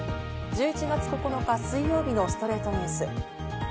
１１月９日、水曜日の『ストレイトニュース』。